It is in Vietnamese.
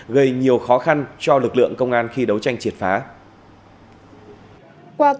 gây nhiều khó khăn cho lực lượng công an khi đấu tranh triệt phá